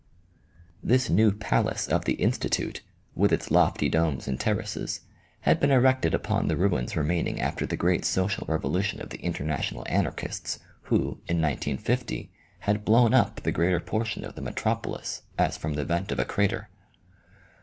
This new palace of the Institute, with its lofty domes and terraces, had been erected upon the ruins remaining O ME G A . after the great social revolution of the international an archists who, in 1950, had blown up the greater portion of the metropolis as from the vent of a crater.